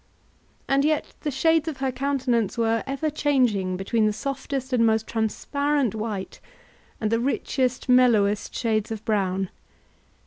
And yet the shades of her countenance were ever changing between the softest and most transparent white, and the richest, mellowest shades of brown.